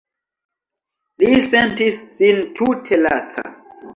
Li sentis sin tute laca.